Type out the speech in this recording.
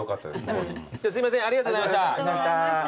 じゃあすいませんありがとうございました。